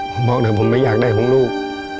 ผมบอกเดี๋ยวผมไม่อยากได้ของลูก